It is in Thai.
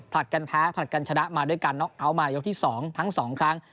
ผลัดกันแพ้ผลัดกันชนะมาด้วยการมายกที่สองทั้งสองครั้ง